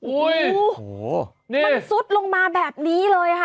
โอ้โหนี่มันซุดลงมาแบบนี้เลยค่ะ